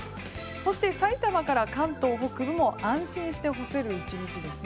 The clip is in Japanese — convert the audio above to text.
そして、埼玉から関東北部も安心して干せる１日です。